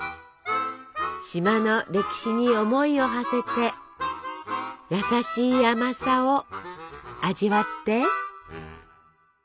島の歴史に思いをはせて優しい甘さを味わって！